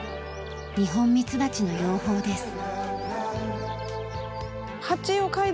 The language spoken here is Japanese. ニホンミツバチの養蜂です。